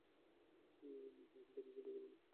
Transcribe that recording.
আমাকে নিয়ে চিন্তা কোরো না।